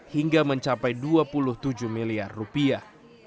hingga mencapai dua puluh tujuh miliar rupiah